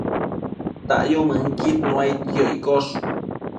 Dayumënquid nuaidquio iccosh